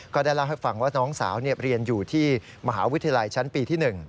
ก็ได้เล่าให้ฟังว่าน้องสาวเรียนอยู่ที่มหาวิทยาลัยชั้นปีที่๑